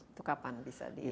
itu kapan bisa diproduksi